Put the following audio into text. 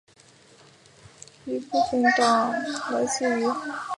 一部分党员来自于新西兰马克思主义协会和新西兰社会党。